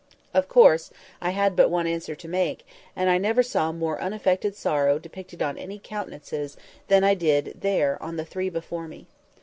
Of course, I had but one answer to make; and I never saw more unaffected sorrow depicted on any countenances than I did there on the three before me.